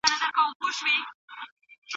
مقاومت د بريا يوازينۍ لاره وه.